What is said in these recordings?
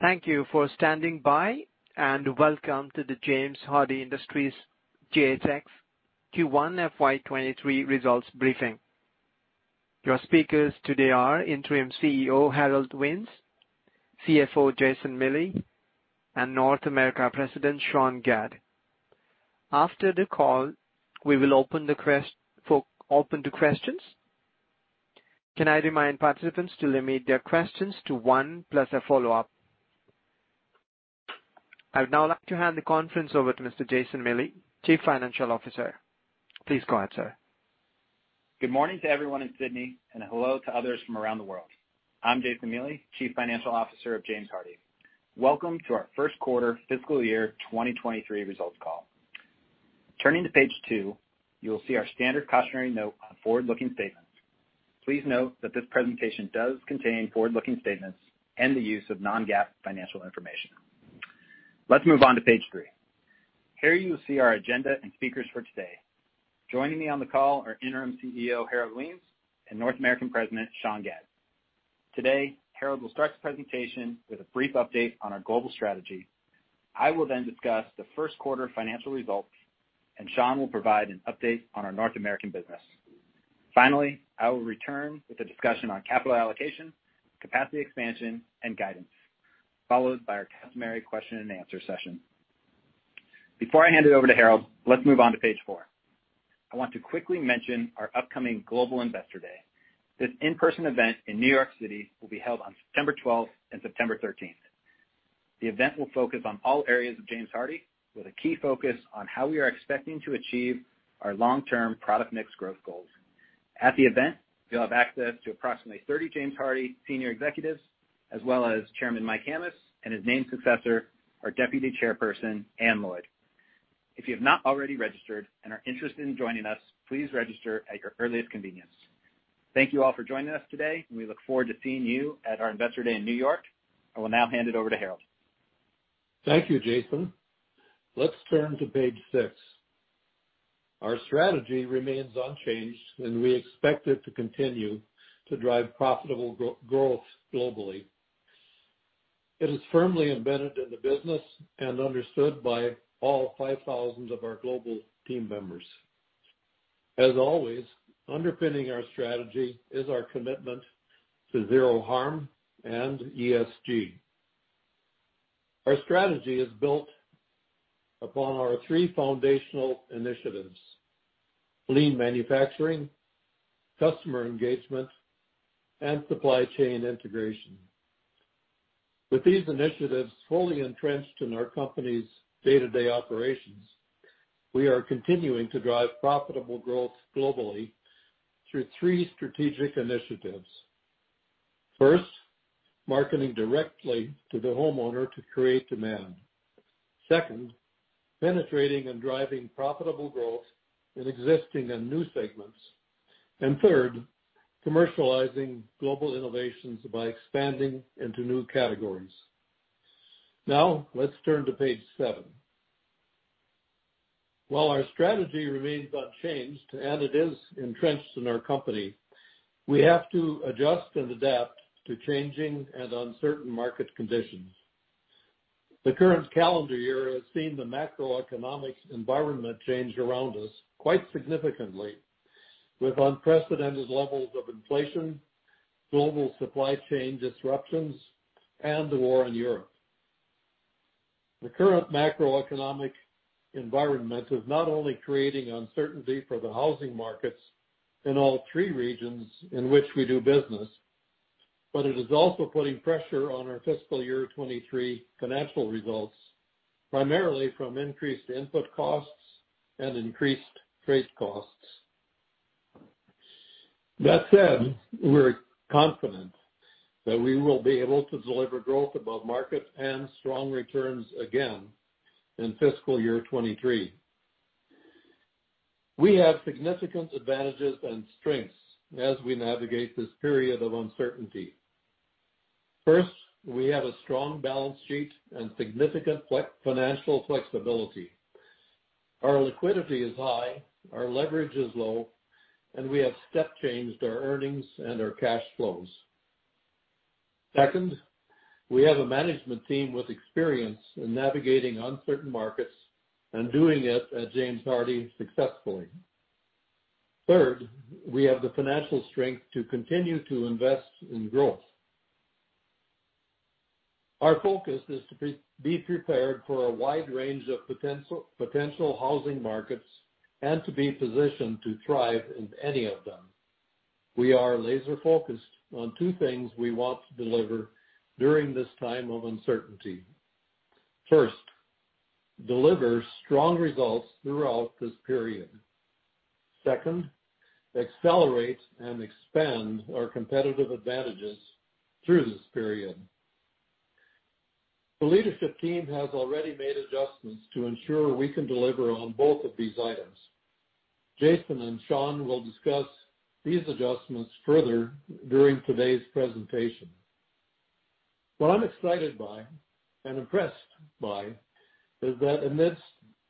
Thank you for standing by, and welcome to the James Hardie Industries, JHX, Q1 FY 2023 Results Briefing. Your speakers today are Interim CEO, Harold Wiens, CFO, Jason Miele and North America President, Sean Gadd. After the call, we will open to questions. Can I remind participants to limit their questions to one plus a follow-up? I would now like to hand the conference over to Mr. Jason Miele, Chief Financial Officer. Please go ahead, sir. Good morning to everyone in Sydney and hello to others from around the world. I'm Jason Miele, Chief Financial Officer of James Hardie. Welcome to our first quarter fiscal year 2023 results call. Turning to page two, you will see our standard cautionary note on forward-looking statements. Please note that this presentation does contain forward-looking statements and the use of non-GAAP financial information. Let's move on to page three. Here you will see our agenda and speakers for today. Joining me on the call are Interim CEO Harold Wiens and North American President Sean Gadd. Today, Harold will start the presentation with a brief update on our global strategy. I will then discuss the first quarter financial results, and Sean will provide an update on our North American business. Finally, I will return with a discussion on capital allocation, capacity expansion and guidance, followed by our customary question and answer session. Before I hand it over to Harold Wiens, let's move on to page four. I want to quickly mention our upcoming Global Investor Day. This in-person event in New York City will be held on September 12th and September 13th. The event will focus on all areas of James Hardie, with a key focus on how we are expecting to achieve our long-term product mix growth goals. At the event, you'll have access to approximately 30 James Hardie senior executives, as well as Chairman Mike Hammes and his named successor, our Deputy Chairperson, Anne Lloyd. If you have not already registered and are interested in joining us, please register at your earliest convenience. Thank you all for joining us today, and we look forward to seeing you at our Investor Day in New York. I will now hand it over to Harold. Thank you, Jason. Let's turn to page six. Our strategy remains unchanged, and we expect it to continue to drive profitable growth globally. It is firmly embedded in the business and understood by all 5,000 of our global team members. As always, underpinning our strategy is our commitment to zero harm and ESG. Our strategy is built upon our three foundational initiatives, lean manufacturing, customer engagement, and supply chain integration. With these initiatives fully entrenched in our company's day-to-day operations, we are continuing to drive profitable growth globally through three strategic initiatives. First, marketing directly to the homeowner to create demand. Second, penetrating and driving profitable growth in existing and new segments. Third, commercializing global innovations by expanding into new categories. Now let's turn to page seven. While our strategy remains unchanged and it is entrenched in our company, we have to adjust and adapt to changing and uncertain market conditions. The current calendar year has seen the macroeconomic environment change around us quite significantly, with unprecedented levels of inflation, global supply chain disruptions, and the war in Europe. The current macroeconomic environment is not only creating uncertainty for the housing markets in all three regions in which we do business, but it is also putting pressure on our fiscal year 2023 financial results, primarily from increased input costs and increased freight costs. That said, we're confident that we will be able to deliver growth above market and strong returns again in fiscal year 2023. We have significant advantages and strengths as we navigate this period of uncertainty. First, we have a strong balance sheet and significant financial flexibility. Our liquidity is high, our leverage is low, and we have step changed our earnings and our cash flows. Second, we have a management team with experience in navigating uncertain markets and doing it at James Hardie successfully. Third, we have the financial strength to continue to invest in growth. Our focus is to be prepared for a wide range of potential housing markets and to be positioned to thrive in any of them. We are laser focused on two things we want to deliver during this time of uncertainty. First, deliver strong results throughout this period. Second, accelerate and expand our competitive advantages through this period. The leadership team has already made adjustments to ensure we can deliver on both of these items. Jason and Sean will discuss these adjustments further during today's presentation. What I'm excited by and impressed by is that amidst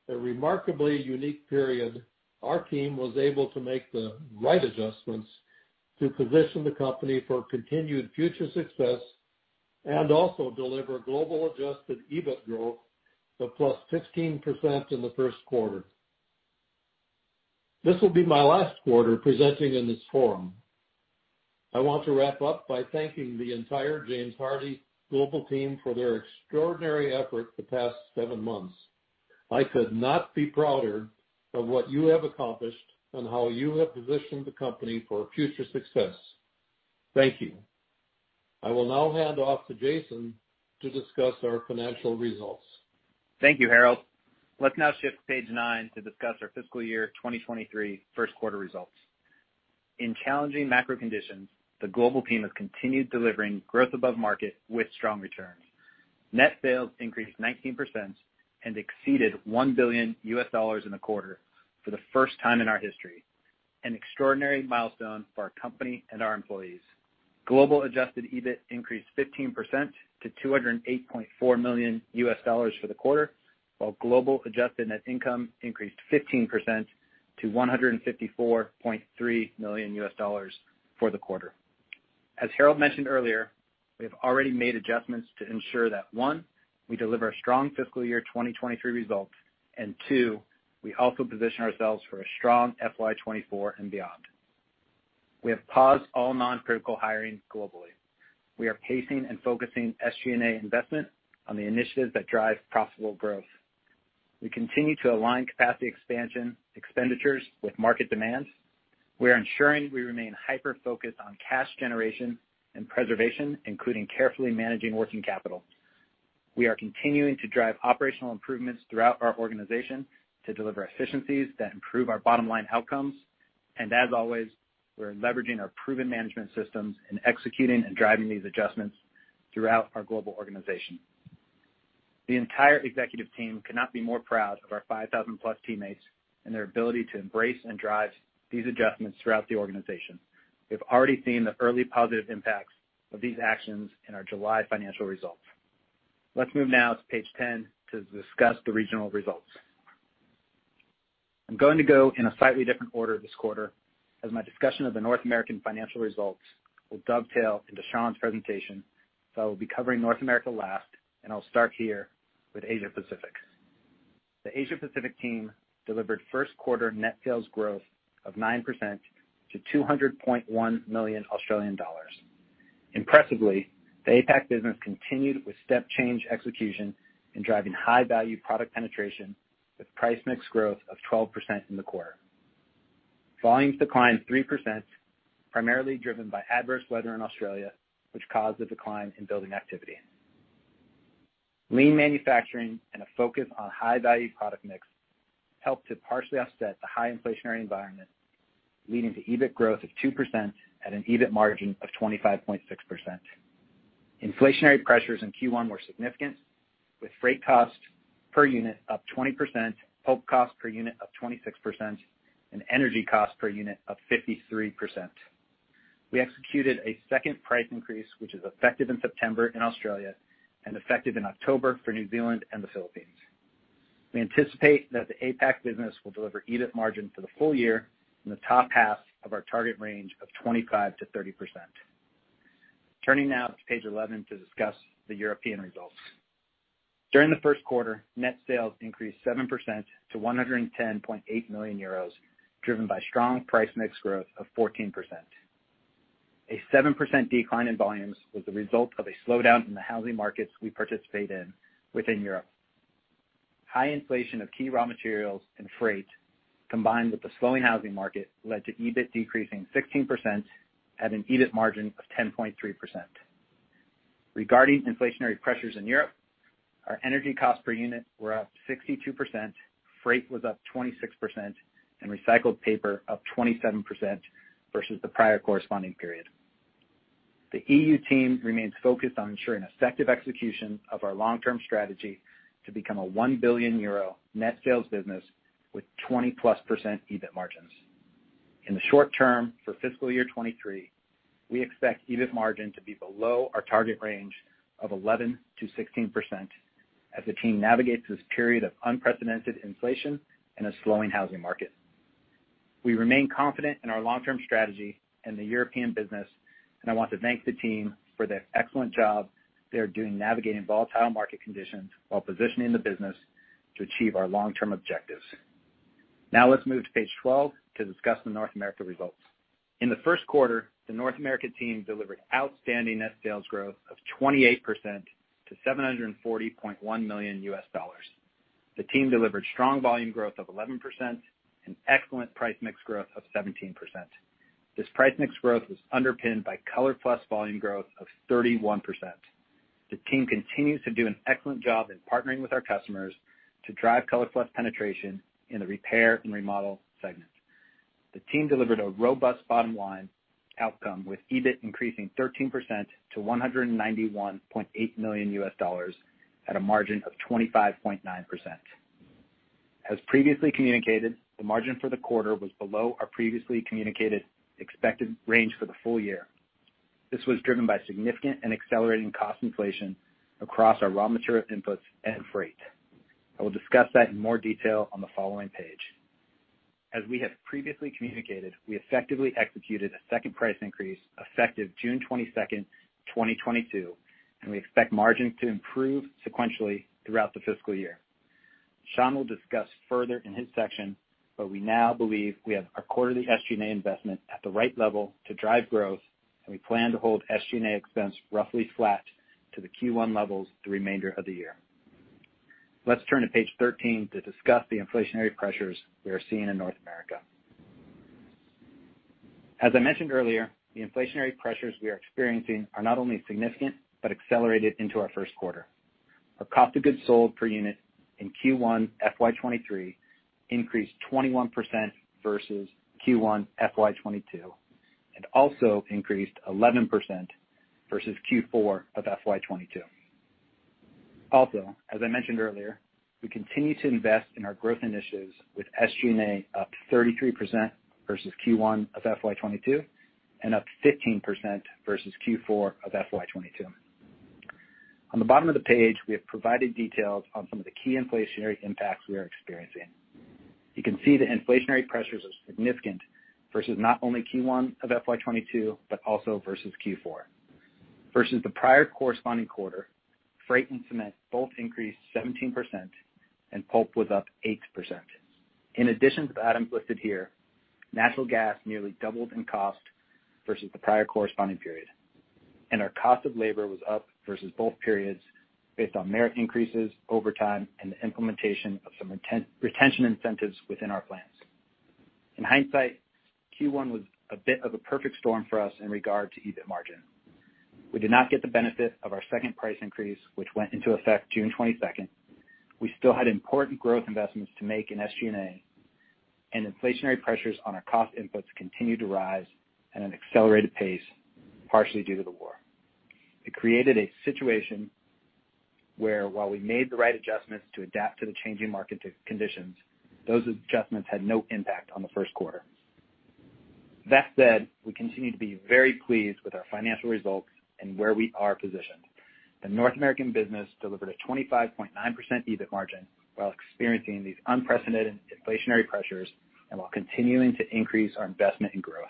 a remarkably unique period, our team was able to make the right adjustments to position the company for continued future success and also deliver global adjusted EBIT growth of +16% in the first quarter. This will be my last quarter presenting in this forum. I want to wrap up by thanking the entire James Hardie global team for their extraordinary effort the past seven months. I could not be prouder of what you have accomplished and how you have positioned the company for future success. Thank you. I will now hand off to Jason to discuss our financial results. Thank you, Harold. Let's now shift to page nine to discuss our fiscal year 2023 first quarter results. In challenging macro conditions, the global team has continued delivering growth above market with strong returns. Net sales increased 19% and exceeded $1 billion in the quarter for the first time in our history, an extraordinary milestone for our company and our employees. Global adjusted EBIT increased 15% to $208.4 million for the quarter, while global adjusted net income increased 15% to $154.3 million for the quarter. As Harold mentioned earlier, we have already made adjustments to ensure that, one, we deliver strong fiscal year 2023 results, and two, we also position ourselves for a strong FY 2024 and beyond. We have paused all non-critical hiring globally. We are pacing and focusing SG&A investment on the initiatives that drive profitable growth. We continue to align capacity expansion expenditures with market demands. We are ensuring we remain hyper-focused on cash generation and preservation, including carefully managing working capital. We are continuing to drive operational improvements throughout our organization to deliver efficiencies that improve our bottom-line outcomes. As always, we're leveraging our proven management systems in executing and driving these adjustments throughout our global organization. The entire executive team could not be more proud of our 5,000+ teammates and their ability to embrace and drive these adjustments throughout the organization. We've already seen the early positive impacts of these actions in our July financial results. Let's move now to page 10 to discuss the regional results. I'm going to go in a slightly different order this quarter, as my discussion of the North American financial results will dovetail into Sean's presentation, so I'll be covering North America last, and I'll start here with Asia Pacific. The Asia Pacific team delivered first quarter net sales growth of 9% to 200.1 million Australian dollars. Impressively, the APAC business continued with step change execution in driving high-value product penetration with price mix growth of 12% in the quarter. Volumes declined 3%, primarily driven by adverse weather in Australia, which caused a decline in building activity. Lean manufacturing and a focus on high-value product mix helped to partially offset the high inflationary environment, leading to EBIT growth of 2% at an EBIT margin of 25.6%. Inflationary pressures in Q1 were significant, with freight cost per unit up 20%, pulp cost per unit up 26%, and energy cost per unit up 53%. We executed a second price increase, which is effective in September in Australia and effective in October for New Zealand and the Philippines. We anticipate that the APAC business will deliver EBIT margin for the full year in the top half of our target range of 25%-30%. Turning now to page 11 to discuss the European results. During the first quarter, net sales increased 7% to 110.8 million euros, driven by strong price mix growth of 14%. A 7% decline in volumes was the result of a slowdown in the housing markets we participate in within Europe. High inflation of key raw materials and freight, combined with the slowing housing market, led to EBIT decreasing 16% at an EBIT margin of 10.3%. Regarding inflationary pressures in Europe, our energy costs per unit were up 62%, freight was up 26%, and recycled paper up 27% versus the prior corresponding period. The EU team remains focused on ensuring effective execution of our long-term strategy to become a 1 billion euro net sales business with 20%+ EBIT margins. In the short term, for fiscal year 2023, we expect EBIT margin to be below our target range of 11%-16% as the team navigates this period of unprecedented inflation in a slowing housing market. We remain confident in our long-term strategy in the European business, and I want to thank the team for the excellent job they are doing navigating volatile market conditions while positioning the business to achieve our long-term objectives. Now let's move to page 12 to discuss the North America results. In the first quarter, the North American team delivered outstanding net sales growth of 28% to $740.1 million. The team delivered strong volume growth of 11% and excellent price mix growth of 17%. This price mix growth was underpinned by ColorPlus volume growth of 31%. The team continues to do an excellent job in partnering with our customers to drive ColorPlus penetration in the repair and remodel segment. The team delivered a robust bottom line outcome, with EBIT increasing 13% to $191.8 million at a margin of 25.9%. As previously communicated, the margin for the quarter was below our previously communicated expected range for the full year. This was driven by significant and accelerating cost inflation across our raw material inputs and freight. I will discuss that in more detail on the following page. As we have previously communicated, we effectively executed a second price increase effective June 22, 2022, and we expect margin to improve sequentially throughout the fiscal year. Sean will discuss further in his section, but we now believe we have our quarterly SG&A investment at the right level to drive growth, and we plan to hold SG&A expense roughly flat to the Q1 levels the remainder of the year. Let's turn to page 13 to discuss the inflationary pressures we are seeing in North America. As I mentioned earlier, the inflationary pressures we are experiencing are not only significant, but accelerated into our first quarter. Our cost of goods sold per unit in Q1 FY 2023 increased 21% versus Q1 FY 2022, and also increased 11% versus Q4 of FY 2022. Also, as I mentioned earlier, we continue to invest in our growth initiatives with SG&A up 33% versus Q1 of FY 2022 and up 15% versus Q4 of FY 2022. On the bottom of the page, we have provided details on some of the key inflationary impacts we are experiencing. You can see the inflationary pressures are significant versus not only Q1 of FY 2022, but also versus Q4. Versus the prior corresponding quarter, freight and cement both increased 17% and pulp was up 8%. In addition to the items listed here, natural gas nearly doubled in cost versus the prior corresponding period, and our cost of labor was up versus both periods based on merit increases over time and the implementation of some incentive retention incentives within our plants. In hindsight, Q1 was a bit of a perfect storm for us in regard to EBIT margin. We did not get the benefit of our second price increase, which went into effect June 22. We still had important growth investments to make in SG&A, and inflationary pressures on our cost inputs continued to rise at an accelerated pace, partially due to the war. It created a situation where while we made the right adjustments to adapt to the changing market conditions, those adjustments had no impact on the first quarter. That said, we continue to be very pleased with our financial results and where we are positioned. The North American business delivered a 25.9% EBIT margin while experiencing these unprecedented inflationary pressures and while continuing to increase our investment in growth.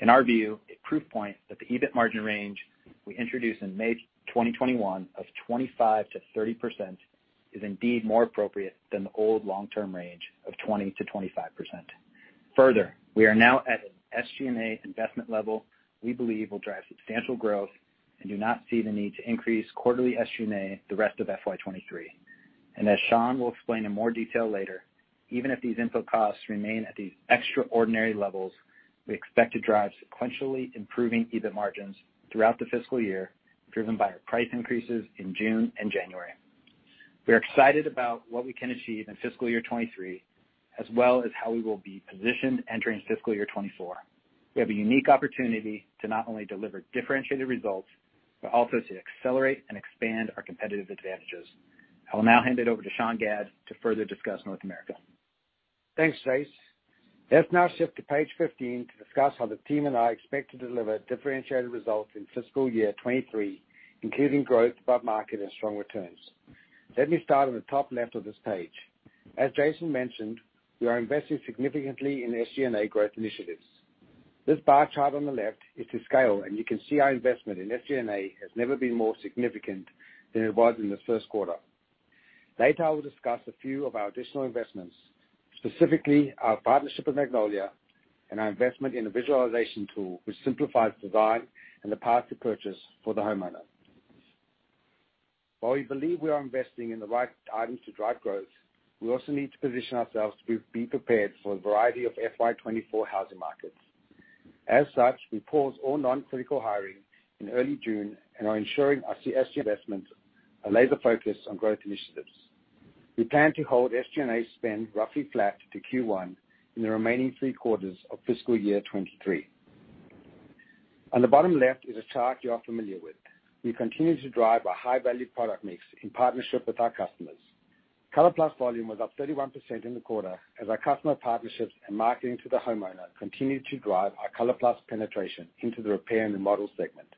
In our view, a proof point that the EBIT margin range we introduced in May 2021 of 25%-30% is indeed more appropriate than the old long-term range of 20%-25%. Further, we are now at an SG&A investment level we believe will drive substantial growth and do not see the need to increase quarterly SG&A the rest of FY 2023. As Sean will explain in more detail later, even if these input costs remain at these extraordinary levels, we expect to drive sequentially improving EBIT margins throughout the fiscal year, driven by our price increases in June and January. We are excited about what we can achieve in fiscal year 2023, as well as how we will be positioned entering fiscal year 2024. We have a unique opportunity to not only deliver differentiated results, but also to accelerate and expand our competitive advantages. I will now hand it over to Sean Gadd to further discuss North America. Thanks, Jason. Let's now shift to page 15 to discuss how the team and I expect to deliver differentiated results in fiscal year 2023, including growth, but margin and strong returns. Let me start on the top left of this page. As Jason mentioned, we are investing significantly in SG&A growth initiatives. This bar chart on the left is to scale, and you can see our investment in SG&A has never been more significant than it was in the first quarter. Later, I will discuss a few of our additional investments, specifically our partnership with Magnolia and our investment in a visualization tool which simplifies design and the path to purchase for the homeowner. While we believe we are investing in the right items to drive growth, we also need to position ourselves to be prepared for a variety of FY 2024 housing markets. As such, we paused all non-critical hiring in early June and are ensuring our CSG investments are laser-focused on growth initiatives. We plan to hold SG&A spend roughly flat to Q1 in the remaining three quarters of fiscal year 2023. On the bottom left is a chart you are familiar with. We continue to drive a high-value product mix in partnership with our customers. ColorPlus volume was up 31% in the quarter as our customer partnerships and marketing to the homeowner continued to drive our ColorPlus penetration into the repair and remodel segment.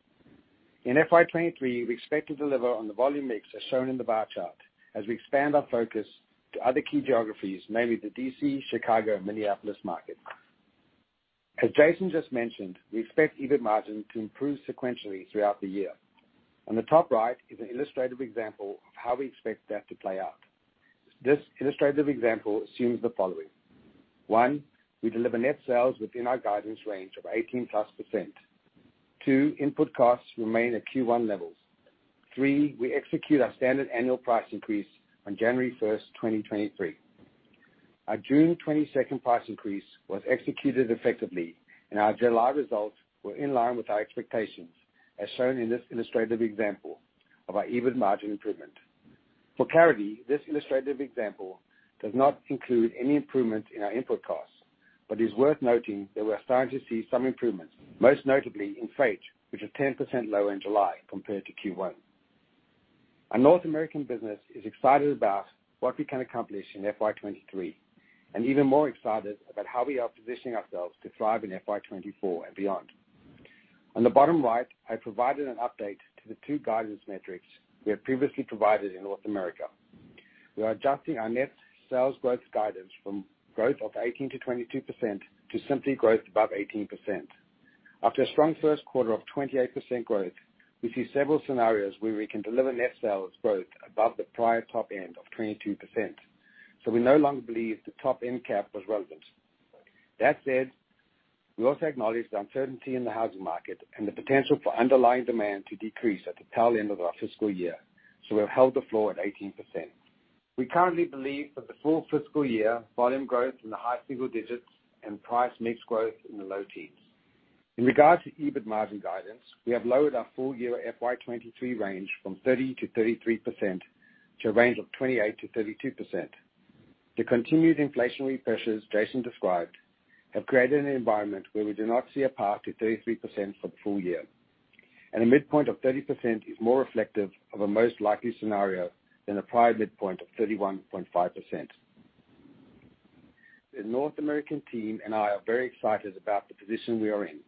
In FY 2023, we expect to deliver on the volume mix as shown in the bar chart as we expand our focus to other key geographies, namely the D.C., Chicago, and Minneapolis markets. As Jason just mentioned, we expect EBIT margin to improve sequentially throughout the year. On the top right is an illustrative example of how we expect that to play out. This illustrative example assumes the following: One, we deliver net sales within our guidance range of 18%+. Two, input costs remain at Q1 levels. Three, we execute our standard annual price increase on January 1, 2023. Our June 22 price increase was executed effectively, and our July results were in line with our expectations, as shown in this illustrative example of our EBIT margin improvement. For clarity, this illustrative example does not include any improvement in our input costs, but it is worth noting that we are starting to see some improvements, most notably in freight, which is 10% lower in July compared to Q1. Our North American business is excited about what we can accomplish in FY 2023, and even more excited about how we are positioning ourselves to thrive in FY 2024 and beyond. On the bottom right, I provided an update to the two guidance metrics we have previously provided in North America. We are adjusting our net sales growth guidance from growth of 18%-22% to simply growth above 18%. After a strong first quarter of 28% growth, we see several scenarios where we can deliver net sales growth above the prior top end of 22%, so we no longer believe the top-end cap was relevant. That said, we also acknowledge the uncertainty in the housing market and the potential for underlying demand to decrease at the tail end of our fiscal year, so we have held the floor at 18%. We currently believe that the full fiscal year volume growth in the high single digits and price mix growth in the low teens. In regards to EBIT margin guidance, we have lowered our full year FY 2023 range from 30%-33% to a range of 28%-32%. The continued inflationary pressures Jason described have created an environment where we do not see a path to 33% for the full year, and a midpoint of 30% is more reflective of a most likely scenario than the prior midpoint of 31.5%. The North American team and I are very excited about the position we are in.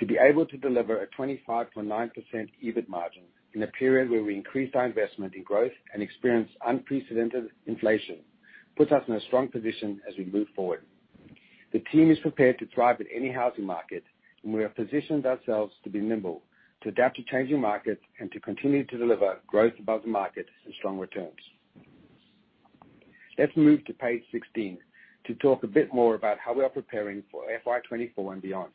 To be able to deliver a 25.9% EBIT margin in a period where we increased our investment in growth and experienced unprecedented inflation, puts us in a strong position as we move forward. The team is prepared to thrive in any housing market, and we have positioned ourselves to be nimble, to adapt to changing markets, and to continue to deliver growth above the market and strong returns. Let's move to page 16 to talk a bit more about how we are preparing for FY 2024 and beyond.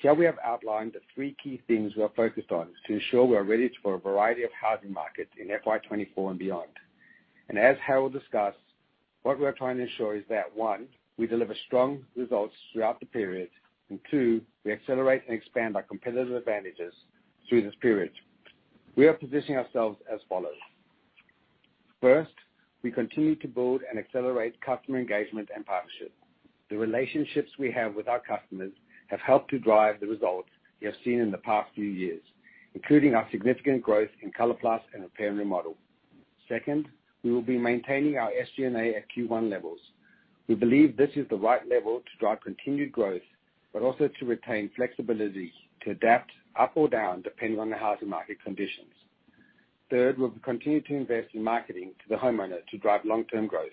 Here we have outlined the three key things we are focused on to ensure we are ready for a variety of housing markets in FY 2024 and beyond. As Harold discussed, what we are trying to ensure is that, one, we deliver strong results throughout the period. Two, we accelerate and expand our competitive advantages through this period. We are positioning ourselves as follows. First, we continue to build and accelerate customer engagement and partnership. The relationships we have with our customers have helped to drive the results we have seen in the past few years, including our significant growth in ColorPlus and repair and remodel. Second, we will be maintaining our SG&A at Q1 levels. We believe this is the right level to drive continued growth, but also to retain flexibility to adapt up or down, depending on the housing market conditions. Third, we'll continue to invest in marketing to the homeowner to drive long-term growth,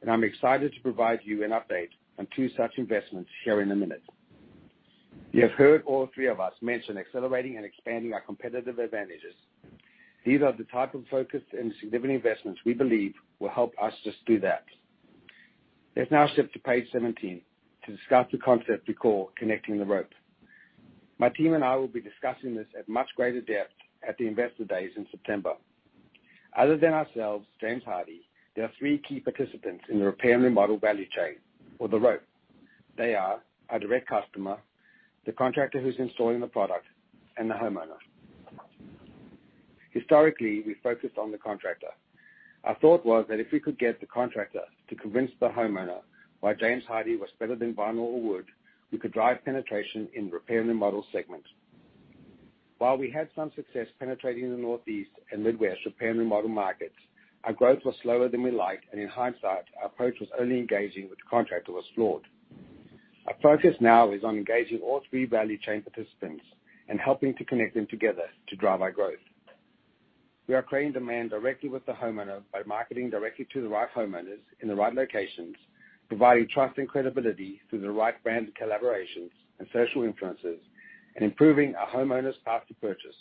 and I'm excited to provide you an update on two such investments here in a minute. You have heard all three of us mention accelerating and expanding our competitive advantages. These are the type of focus and significant investments we believe will help us to do that. Let's now shift to page 17 to discuss the concept we call connecting the rope. My team and I will be discussing this at much greater depth at the Investor Days in September. Other than ourselves, James Hardie, there are three key participants in the repair and remodel value chain or the rope. They are our direct customer, the contractor who's installing the product, and the homeowner. Historically, we focused on the contractor. Our thought was that if we could get the contractor to convince the homeowner why James Hardie was better than vinyl or wood, we could drive penetration in repair and remodel segment. While we had some success penetrating the Northeast and Midwest repair and remodel markets, our growth was slower than we liked, and in hindsight, our approach was only engaging, which was flawed. Our focus now is on engaging all three value chain participants and helping to connect them together to drive our growth. We are creating demand directly with the homeowner by marketing directly to the right homeowners in the right locations, providing trust and credibility through the right brand collaborations and social influencers, and improving our homeowners' path to purchase.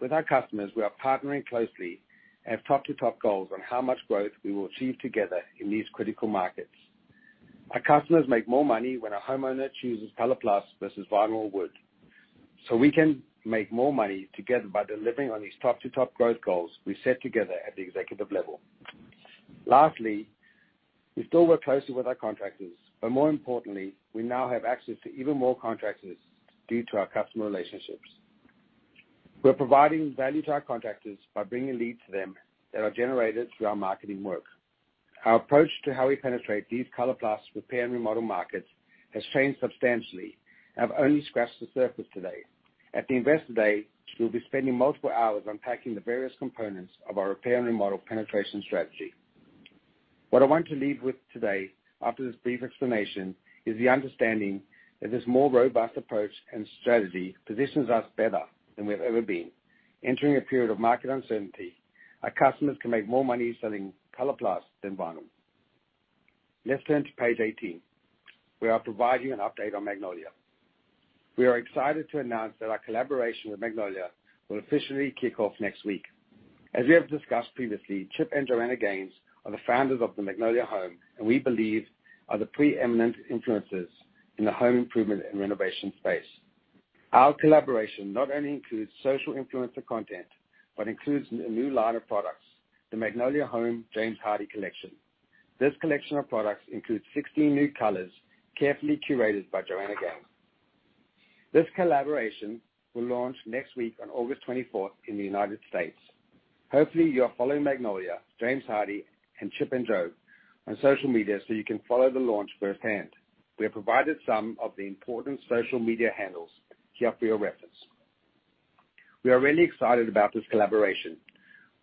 With our customers, we are partnering closely and have top-to-top goals on how much growth we will achieve together in these critical markets. Our customers make more money when a homeowner chooses ColorPlus versus vinyl or wood, so we can make more money together by delivering on these top-to-top growth goals we set together at the executive level. Lastly, we still work closely with our contractors, but more importantly, we now have access to even more contractors due to our customer relationships. We're providing value to our contractors by bringing leads to them that are generated through our marketing work. Our approach to how we penetrate these ColorPlus repair and remodel markets has changed substantially and have only scratched the surface today. At the Investor Day, we'll be spending multiple hours unpacking the various components of our repair and remodel penetration strategy. What I want to leave with today, after this brief explanation, is the understanding that this more robust approach and strategy positions us better than we've ever been. Entering a period of market uncertainty, our customers can make more money selling ColorPlus than vinyl. Let's turn to page 18. We are providing an update on Magnolia. We are excited to announce that our collaboration with Magnolia will officially kick off next week. As we have discussed previously, Chip and Joanna Gaines are the founders of the Magnolia Home and we believe are the preeminent influencers in the home improvement and renovation space. Our collaboration not only includes social influencer content, but includes a new line of products, the Magnolia Home James Hardie Collection. This collection of products includes 16 new colors, carefully curated by Joanna Gaines. This collaboration will launch next week on August 24th in the United States. Hopefully you are following Magnolia, James Hardie, and Chip and Jo on social media so you can follow the launch firsthand. We have provided some of the important social media handles here for your reference. We are really excited about this collaboration.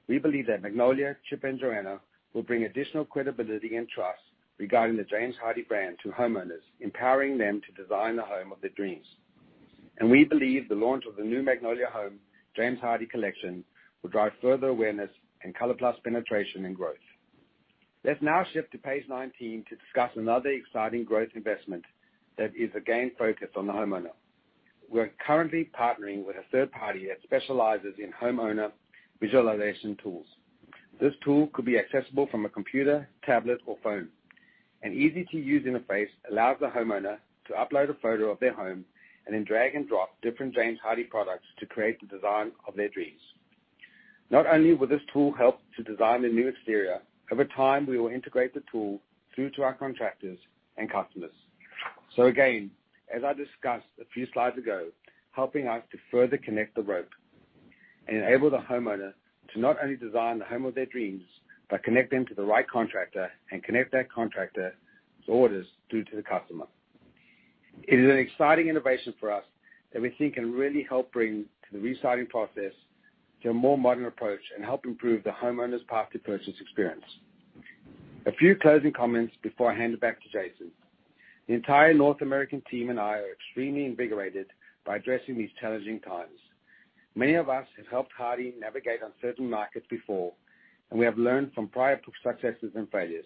We believe that Magnolia, Chip, and Joanna will bring additional credibility and trust regarding the James Hardie brand to homeowners, empowering them to design the home of their dreams. We believe the launch of the new Magnolia Home James Hardie collection will drive further awareness and ColorPlus penetration and growth. Let's now shift to page 19 to discuss another exciting growth investment that is, again, focused on the homeowner. We're currently partnering with a third party that specializes in homeowner visualization tools. This tool could be accessible from a computer, tablet, or phone. An easy-to-use interface allows the homeowner to upload a photo of their home and then drag and drop different James Hardie products to create the design of their dreams. Not only will this tool help to design the new exterior, over time, we will integrate the tool through to our contractors and customers. Again, as I discussed a few slides ago, helping us to further connect the loop and enable the homeowner to not only design the home of their dreams, but connect them to the right contractor and connect that contractor's orders through to the customer. It is an exciting innovation for us that we think can really help bring the re-siding process to a more modern approach and help improve the homeowner's path to purchase experience. A few closing comments before I hand it back to Jason. The entire North American team and I are extremely invigorated by addressing these challenging times. Many of us have helped Hardie navigate uncertain markets before, and we have learned from prior successes and failures.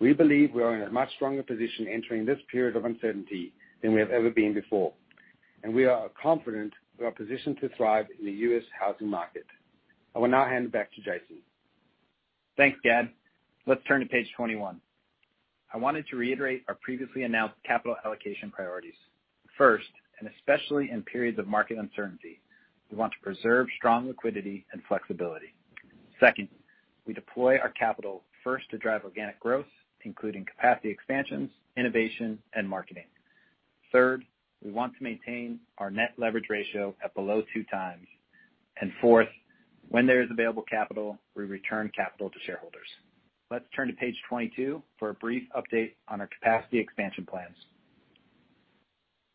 We believe we are in a much stronger position entering this period of uncertainty than we have ever been before, and we are confident we are positioned to thrive in the U.S. housing market. I will now hand it back to Jason. Thanks, Gadd. Let's turn to page 21. I wanted to reiterate our previously announced capital allocation priorities. First, and especially in periods of market uncertainty, we want to preserve strong liquidity and flexibility. Second, we deploy our capital first to drive organic growth, including capacity expansions, innovation, and marketing. Third, we want to maintain our net leverage ratio at below 2x. Fourth, when there is available capital, we return capital to shareholders. Let's turn to page 22 for a brief update on our capacity expansion plans.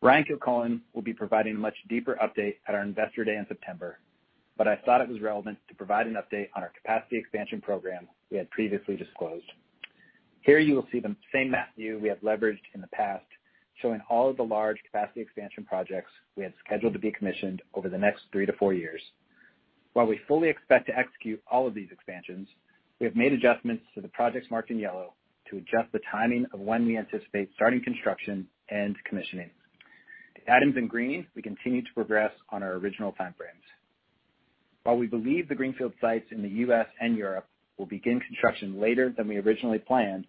Ryan Kilcullen will be providing a much deeper update at our Investor Day in September, but I thought it was relevant to provide an update on our capacity expansion program we had previously disclosed. Here you will see the same map view we have leveraged in the past, showing all of the large capacity expansion projects we have scheduled to be commissioned over the next three to four years. While we fully expect to execute all of these expansions, we have made adjustments to the projects marked in yellow to adjust the timing of when we anticipate starting construction and commissioning. The items in green, we continue to progress on our original time frames. While we believe the greenfield sites in the U.S. and Europe will begin construction later than we originally planned,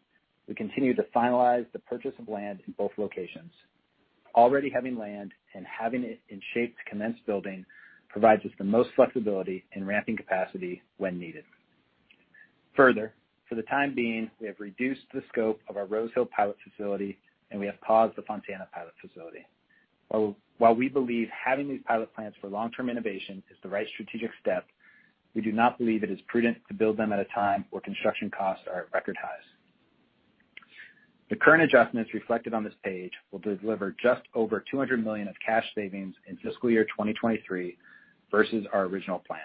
we continue to finalize the purchase of land in both locations. Already having land and having it in shape to commence building provides us the most flexibility in ramping capacity when needed. Further, for the time being, we have reduced the scope of our Rosehill pilot facility, and we have paused the Fontana pilot facility. While we believe having these pilot plans for long-term innovation is the right strategic step, we do not believe it is prudent to build them at a time where construction costs are at record highs. The current adjustments reflected on this page will deliver just over $200 million of cash savings in fiscal year 2023 versus our original plan.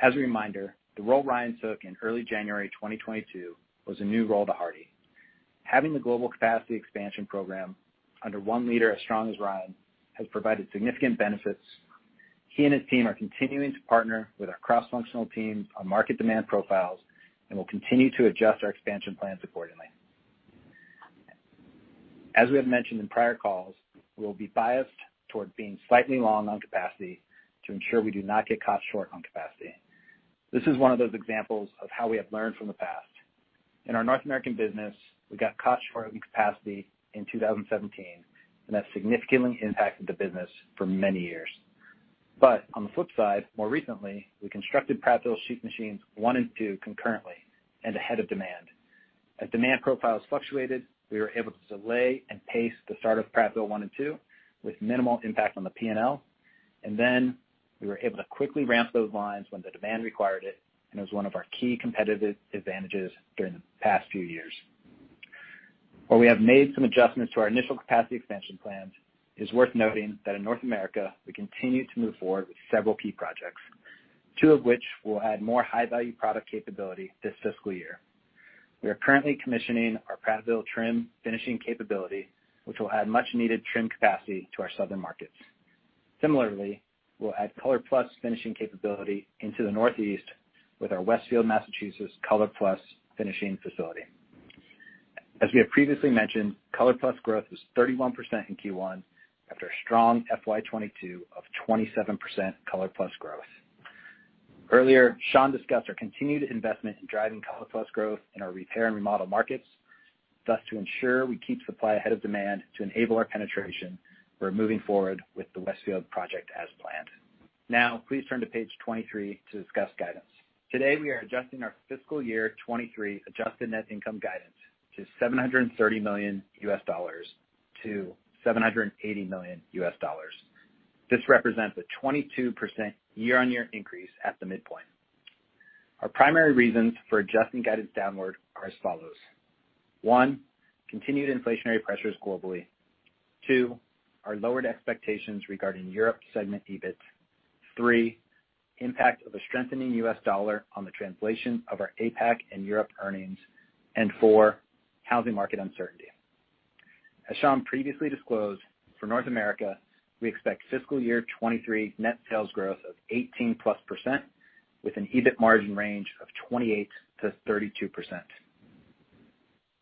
As a reminder, the role Ryan took in early January 2022 was a new role to Hardie. Having the global capacity expansion program under one leader as strong as Ryan has provided significant benefits. He and his team are continuing to partner with our cross-functional team on market demand profiles and will continue to adjust our expansion plans accordingly. As we have mentioned in prior calls, we will be biased toward being slightly long on capacity to ensure we do not get caught short on capacity. This is one of those examples of how we have learned from the past. In our North American business, we got caught short on capacity in 2017, and that significantly impacted the business for many years. On the flip side, more recently, we constructed Prattville Sheet Machines one and two concurrently and ahead of demand. As demand profiles fluctuated, we were able to delay and pace the start of Prattville one and two with minimal impact on the P&L, and then we were able to quickly ramp those lines when the demand required it, and it was one of our key competitive advantages during the past few years. While we have made some adjustments to our initial capacity expansion plans, it is worth noting that in North America, we continue to move forward with several key projects, two of which will add more high-value product capability this fiscal year. We are currently commissioning our Prattville trim finishing capability, which will add much needed trim capacity to our southern markets. Similarly, we'll add ColorPlus finishing capability into the northeast with our Westfield, Massachusetts, ColorPlus finishing facility. As we have previously mentioned, ColorPlus growth was 31% in Q1 after a strong FY 2022 of 27% ColorPlus growth. Earlier, Sean discussed our continued investment in driving ColorPlus growth in our repair and remodel markets. Thus, to ensure we keep supply ahead of demand to enable our penetration, we're moving forward with the Westfield project as planned. Now, please turn to page 23 to discuss guidance. Today, we are adjusting our fiscal year 2023 adjusted net income guidance to $730 million to $780 million. This represents a 22% year-on-year increase at the midpoint. Our primary reasons for adjusting guidance downward are as follows. One, continued inflationary pressures globally. Two, our lowered expectations regarding Europe segment EBIT. Three, impact of a strengthening U.S. dollar on the translation of our APAC and Europe earnings. Four, housing market uncertainty. As Sean previously disclosed, for North America, we expect fiscal year 2023 net sales growth of 18%+ with an EBIT margin range of 28%-32%.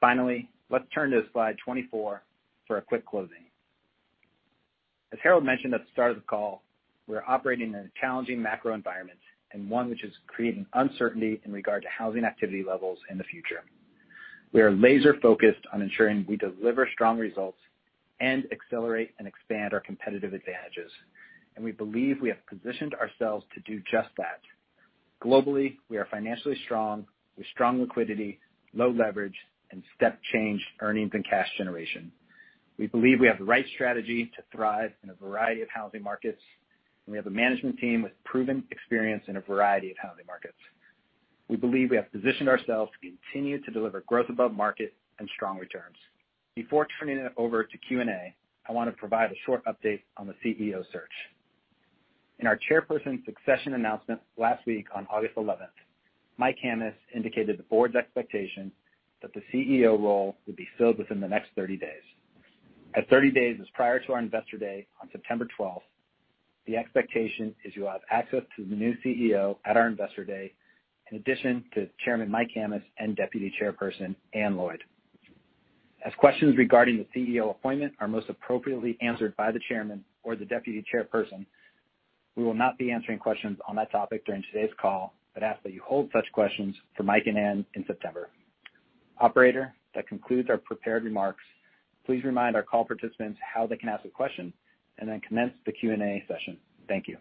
Finally, let's turn to slide 24 for a quick closing. As Harold mentioned at the start of the call, we're operating in a challenging macro environment and one which is creating uncertainty in regard to housing activity levels in the future. We are laser focused on ensuring we deliver strong results and accelerate and expand our competitive advantages, and we believe we have positioned ourselves to do just that. Globally, we are financially strong with strong liquidity, low leverage, and step change earnings and cash generation. We believe we have the right strategy to thrive in a variety of housing markets, and we have a management team with proven experience in a variety of housing markets. We believe we have positioned ourselves to continue to deliver growth above market and strong returns. Before turning it over to Q&A, I want to provide a short update on the CEO search. In our chairperson succession announcement last week on August 11th, Mike Hammes indicated the board's expectation that the CEO role would be filled within the next 30 days. As 30 days is prior to our Investor Day on September twelfth, the expectation is you'll have access to the new CEO at our Investor Day in addition to Chairman Mike Hammes and Deputy Chairperson Anne Lloyd. As questions regarding the CEO appointment are most appropriately answered by the chairman or the deputy chairperson, we will not be answering questions on that topic during today's call, but ask that you hold such questions for Mike and Anne in September. Operator, that concludes our prepared remarks. Please remind our call participants how they can ask a question and then commence the Q&A session. Thank you.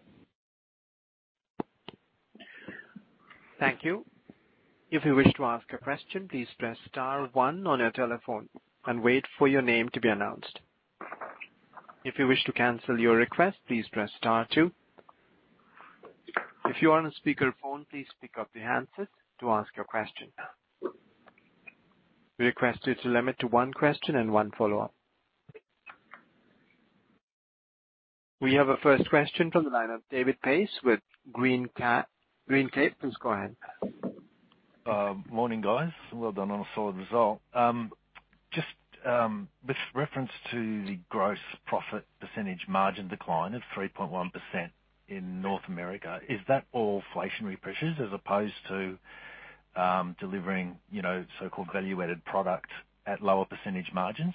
Thank you. If you wish to ask a question, please press star one on your telephone and wait for your name to be announced. If you wish to cancel your request, please press star two. If you are on a speaker phone, please pick up the handset to ask your question. We request you to limit to one question and one follow-up. We have a first question from the line of David Pace with Greencape Capital. Please go ahead. Morning, guys. Well done on a solid result. Just with reference to the gross profit percentage margin decline of 3.1% in North America, is that all inflationary pressures as opposed to delivering, you know, so-called value-added product at lower percentage margins?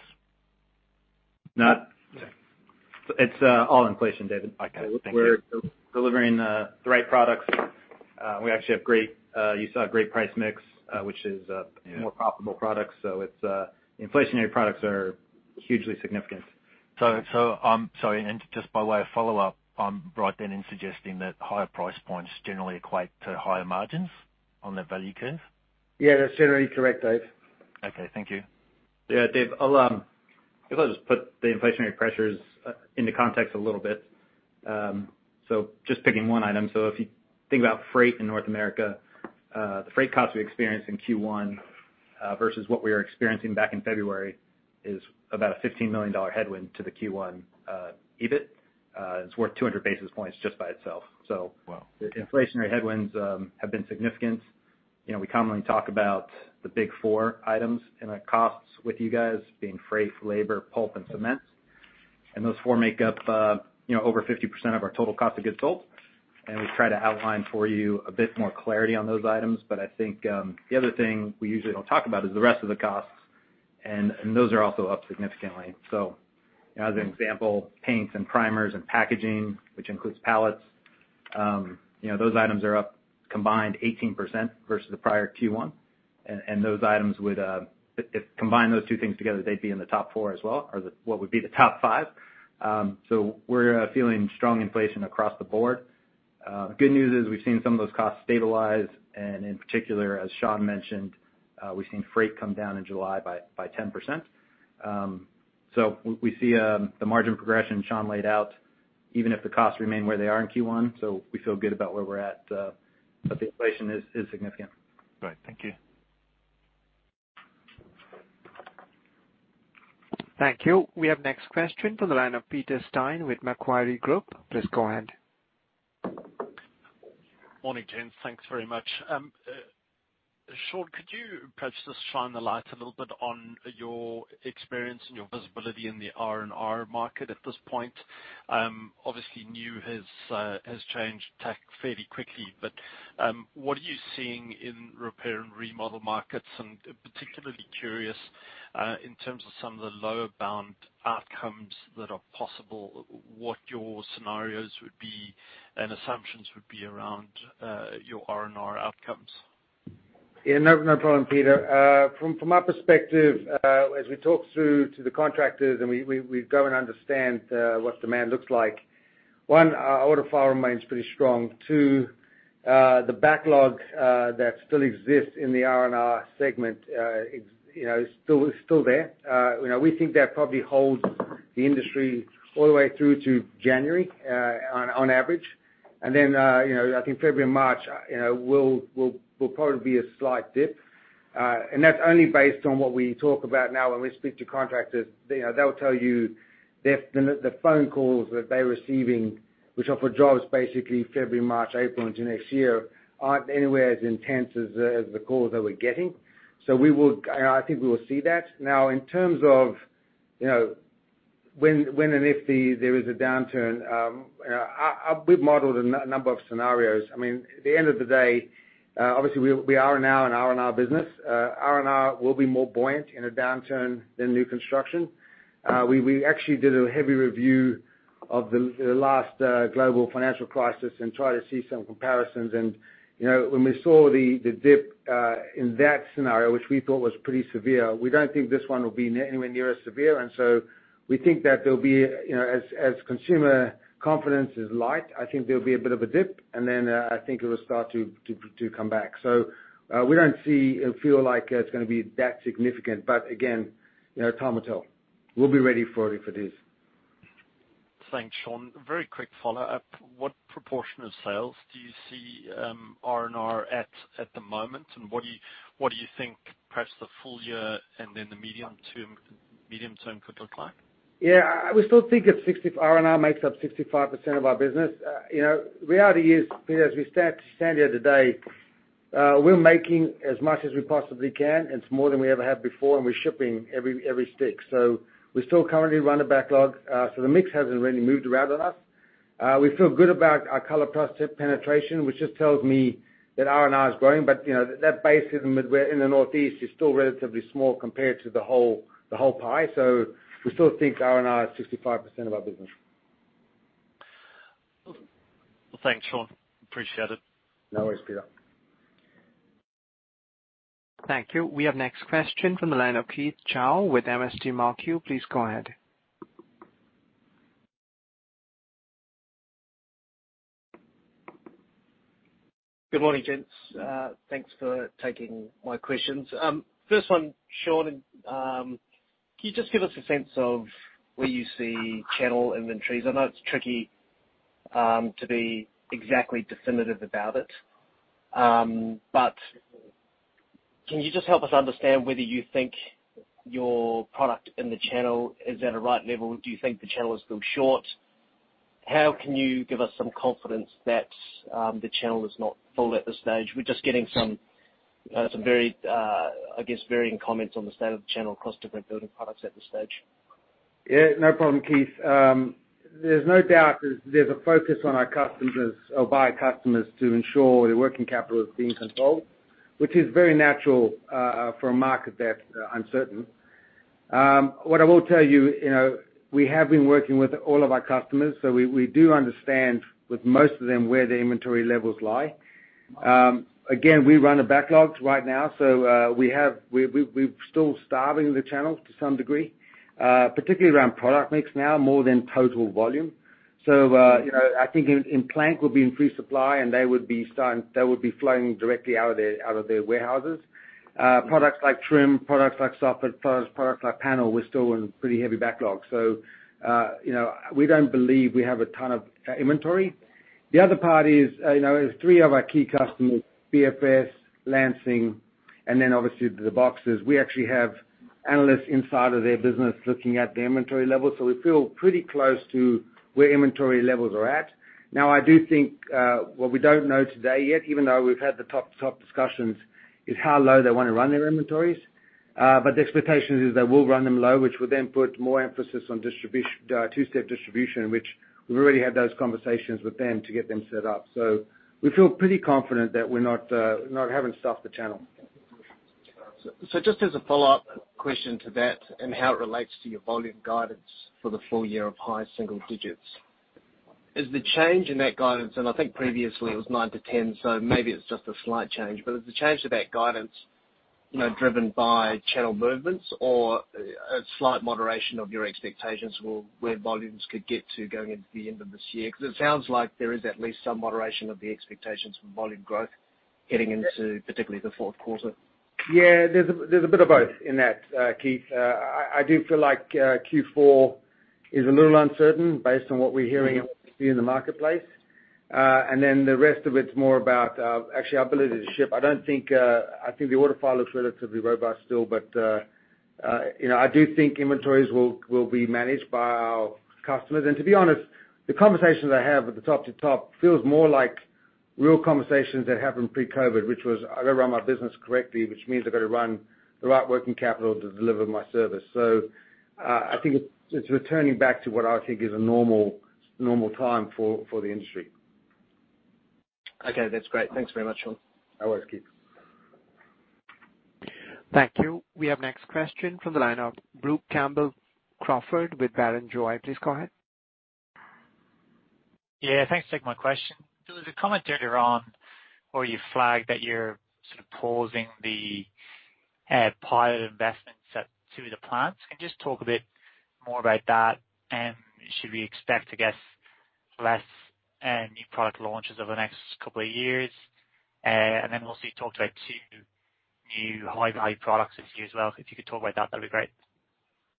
Not. Okay. It's all inflation, David. Okay. Thank you. We're delivering the right products. We actually have great, you saw great price mix, which is more profitable products. It's inflationary products are hugely significant. Sorry, and just by way of follow-up, I'm right then in suggesting that higher price points generally equate to higher margins on that value curve? Yeah, that's generally correct, Dave. Okay, thank you. Yeah, Dave, I'll, I guess I'll just put the inflationary pressures in the context a little bit. Just picking one item. If you think about freight in North America, the freight costs we experienced in Q1 versus what we were experiencing back in February is about a $15 million headwind to the Q1 EBIT. It's worth 200 basis points just by itself. Wow. The inflationary headwinds have been significant. You know, we commonly talk about the big four items in our costs with you guys being freight, labor, pulp, and cement. Those four make up, you know, over 50% of our total cost of goods sold. We try to outline for you a bit more clarity on those items. I think the other thing we usually don't talk about is the rest of the costs, and those are also up significantly. As an example, paints and primers and packaging, which includes pallets, you know, those items are up combined 18% versus the prior Q1. Those items would, if combine those two things together, they'd be in the top four as well, or what would be the top five. We're feeling strong inflation across the board. Good news is we've seen some of those costs stabilize, and in particular, as Sean mentioned, we've seen freight come down in July by 10%. We see the margin progression Sean laid out even if the costs remain where they are in Q1. We feel good about where we're at, but the inflation is significant. Great. Thank you. Thank you. We have next question from the line of Peter Steyn with Macquarie Group. Please go ahead. Morning, gents. Thanks very much. Sean, could you perhaps just shine the light a little bit on your experience and your visibility in the R&R market at this point? Obviously new has changed tack fairly quickly. What are you seeing in repair and remodel markets? Particularly curious, in terms of some of the lower bound outcomes that are possible, what your scenarios would be and assumptions would be around your R&R outcomes. Yeah, no problem, Peter. From my perspective, as we talk through to the contractors and we go and understand what demand looks like. One, our order file remains pretty strong. Two, the backlog that still exists in the R&R segment, you know, is still there. You know, we think that probably holds the industry all the way through to January, on average. You know, I think February, March, you know, will probably be a slight dip. That's only based on what we talk about now when we speak to contractors. You know, they'll tell you the phone calls that they're receiving, which are for jobs basically February, March, April into next year, aren't anywhere as intense as the calls they were getting. We will. I think we will see that. Now, in terms of, you know, when and if there is a downturn, we've modeled a number of scenarios. I mean, at the end of the day, obviously we are now an R&R business. R&R will be more buoyant in a downturn than new construction. We actually did a heavy review of the last global financial crisis and tried to see some comparisons. You know, when we saw the dip in that scenario, which we thought was pretty severe, we don't think this one will be anywhere near as severe. We think that there'll be, you know, as consumer confidence is light, I think there'll be a bit of a dip. I think it will start to come back. we don't see or feel like it's gonna be that significant. Again, you know, time will tell. We'll be ready for it if it is. Thanks, Sean. Very quick follow-up. What proportion of sales do you see R&R at the moment? What do you think perhaps the full year and then the medium to medium-term could look like? We still think R&R makes up 65% of our business. You know, reality is, Peter, as we stand here today, we're making as much as we possibly can. It's more than we ever have before, and we're shipping every stick. We still currently run a backlog, so the mix hasn't really moved around on us. We feel good about our ColorPlus trim penetration, which just tells me that R&R is growing. You know, that base in the Northeast is still relatively small compared to the whole pie. We still think R&R is 65% of our business. Thanks, Sean Gadd. Appreciate it. No worries, Peter. Thank you. We have next question from the line of Keith Chau with MST Marquee. Please go ahead. Good morning, gents. Thanks for taking my questions. First one, Sean, can you just give us a sense of where you see channel inventories? I know it's tricky to be exactly definitive about it. But can you just help us understand whether you think your product in the channel is at a right level? Do you think the channel is still short? How can you give us some confidence that the channel is not full at this stage? We're just getting some very, I guess, varying comments on the state of the channel across different building products at this stage. Yeah, no problem, Keith. There's no doubt there's a focus on our customers or by customers to ensure their working capital is being controlled, which is very natural for a market that's uncertain. What I will tell you know, we have been working with all of our customers, so we do understand with most of them where their inventory levels lie. Again, we have backlogs right now, so we're still starving the channel to some degree, particularly around product mix now more than total volume. You know, I think in plank there will be increased supply, and that would be flowing directly out of their warehouses. Products like trim, products like soffit, products like panel, we're still in pretty heavy backlog. You know, we don't believe we have a ton of inventory. The other part is, you know, is three of our key customers, BFS, Lansing, and then obviously the big boxes. We actually have analysts inside of their business looking at the inventory levels, so we feel pretty close to where inventory levels are at. Now, I do think, what we don't know today yet, even though we've had the top discussions, is how low they wanna run their inventories. But the expectation is they will run them low, which will then put more emphasis on two-step distribution, which we've already had those conversations with them to get them set up. We feel pretty confident that we're not having stuffed the channel. Just as a follow-up question to that and how it relates to your volume guidance for the full year of high single digits. Is the change in that guidance, and I think previously it was 9%-10%, so maybe it's just a slight change. Is the change to that guidance, you know, driven by channel movements or a slight moderation of your expectations for where volumes could get to going into the end of this year? Because it sounds like there is at least some moderation of the expectations for volume growth getting into particularly the fourth quarter. Yeah. There's a bit of both in that, Keith. I do feel like Q4 is a little uncertain based on what we're hearing and what we see in the marketplace. The rest of it's more about actually our ability to ship. I think the order file looks relatively robust still, but you know, I do think inventories will be managed by our customers. To be honest, the conversations I have at the top-to-top feels more like real conversations that happened pre-COVID, which was, I've got to run my business correctly, which means I've got to run the right working capital to deliver my service. I think it's returning back to what I think is a normal time for the industry. Okay. That's great. Thanks very much, Sean. No worries, Keith. Thank you. We have next question from the line of Brook Campbell-Crawford with Barrenjoey. Please go ahead. Yeah. Thanks for taking my question. There was a comment earlier on- You flagged that you're sort of pausing the pilot investments to the plants. Can you just talk a bit more about that? Should we expect, I guess, less new product launches over the next couple of years? Also you talked about two new high-value products this year as well. If you could talk about that'd be great.